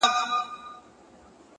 مثبت ذهن پر امکاناتو تمرکز لري!